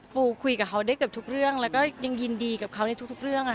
ปูคุยกับเขาได้เกือบทุกเรื่องแล้วก็ยังยินดีกับเขาในทุกเรื่อง